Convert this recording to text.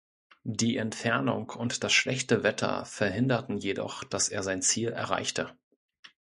Die Entfernung und das schlechte Wetter verhinderten jedoch, dass er sein Ziel erreichte.